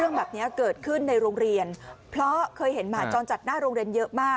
คุณผู้ชมเดี๋ยวอยากให้ดูบรรยากาศที่เจ้าหน้าที่จะไปจับหมาจรจัดด้วยการยิงยาสลบค่ะ